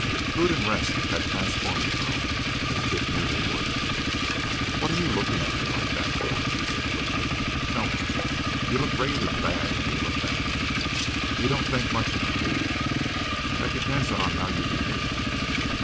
Food and rest had transformed the girl, as Dick knew they would. "What are you looking at me like that for?" she said quickly. "Don't. You look reg'lar bad when you look that way. You don't think much o' me, do you?" "That depends on how you behave."